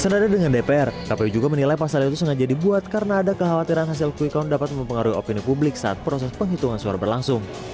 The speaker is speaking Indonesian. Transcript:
senada dengan dpr kpu juga menilai pasal itu sengaja dibuat karena ada kekhawatiran hasil quick count dapat mempengaruhi opini publik saat proses penghitungan suara berlangsung